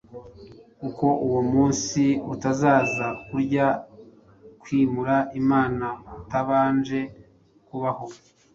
kuko uwo munsi utazaza, kurya kwimura Imana kutabanje kubaho,